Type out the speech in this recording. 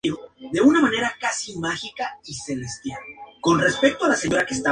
En otras ocasiones se la representa en su aparición a San Ildefonso de Toledo.